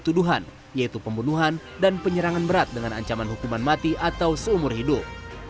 tuduhan yaitu pembunuhan dan penyerangan berat dengan ancaman hukuman mati atau seumur hidup